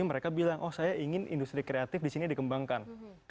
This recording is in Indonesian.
mereka bilang oh saya ingin industri kreatif di sini dikembangkan